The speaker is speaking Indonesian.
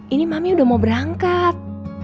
ini mami udah mau berangkat